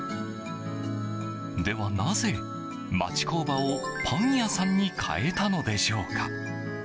では、なぜ町工場をパン屋さんに変えたのでしょうか。